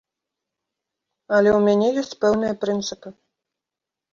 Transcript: Але ў мяне ёсць пэўныя прынцыпы.